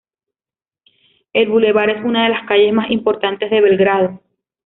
El Bulevar es una de las calles más importantes de Belgrado.